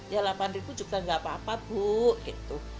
ya delapan juga gak apa apa bu gitu